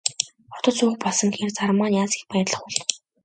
Хотод суух болсон гэхээр Саран маань яасан их баярлах бол.